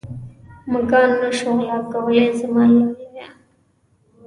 مږان نه شو غلا کوې زما لالیه.